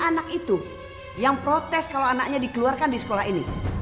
anak itu yang protes kalau anaknya dikeluarkan di sekolah ini